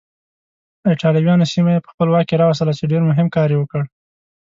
ایټالویانو سیمه یې په خپل واک کې راوستله چې ډېر مهم کار یې وکړ.